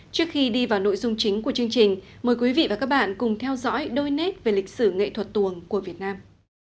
trước khi đi vào nội dung chính của chương trình mời quý vị và các bạn cùng theo dõi đôi nét về lịch sử nghệ thuật tuồng của việt nam